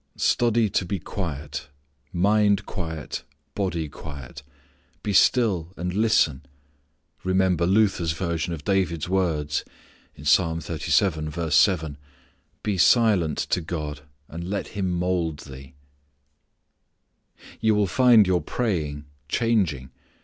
Study to be quiet; mind quiet, body quiet. Be still and listen. Remember Luther's version of David's words, "Be silent to God, and let Him mould thee." You will find your praying changing.